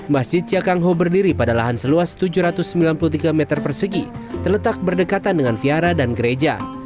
masjid cakangho berdiri pada lahan seluas tujuh ratus sembilan puluh tiga meter persegi terletak berdekatan dengan viara dan gereja